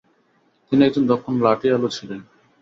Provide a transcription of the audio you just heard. তিনি একজন দক্ষ লাঠিয়ালও ছিলেন।